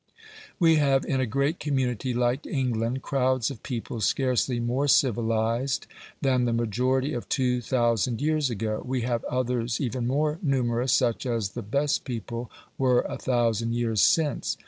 We have in a great community like England crowds of people scarcely more civilised than the majority of two thousand years ago; we have others, even more numerous, such as the best people were a thousand years since.